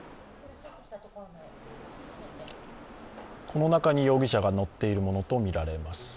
この中に容疑者が乗っているものとみられます。